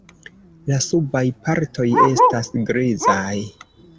La subaj partoj estas grizaj.